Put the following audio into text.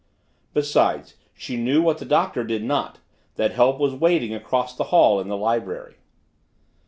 Besides, she knew what the Doctor did not, that help was waiting across the hall in the library.